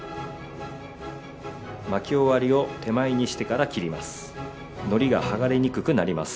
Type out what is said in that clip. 巻き終わりを手前にしてから切ります。